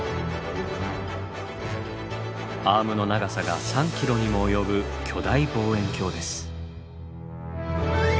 アームの長さが３ｋｍにも及ぶ巨大望遠鏡です。